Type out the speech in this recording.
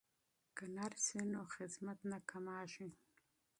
که نرس وي نو خدمت نه کمیږي.